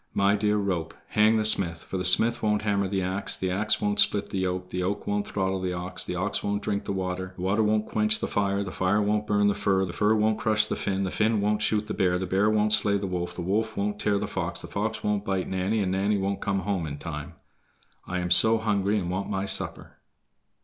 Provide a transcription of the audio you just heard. "My dear rope, hang the smith, for the smith won't hammer the ax, the ax won't split the yoke, the yoke won't throttle the ox, the ox won't drink the water, the water won't quench the fire, the fire won't burn the fir, the fir won't crush the Finn, the Finn won't shoot the bear, the bear won't slay the wolf, the wolf won't tear the fox, the fox won't bite Nanny, and Nanny won't come home in time. I am so hungry and want my supper."